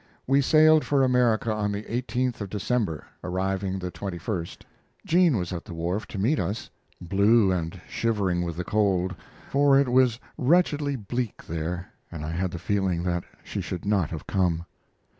We sailed for America on the 18th of December, arriving the 21st. Jean was at the wharf to meet us, blue and shivering with the cold, for it was wretchedly bleak there, and I had the feeling that she should not have come.